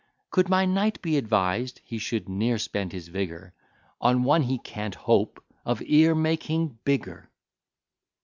Could my Knight be advised, he should ne'er spend his vigour On one he can't hope of e'er making bigger.